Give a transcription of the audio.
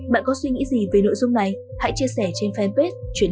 bạn có suy nghĩ gì về nội dung này hãy chia sẻ trên fanpage truyền hình công an nhân dân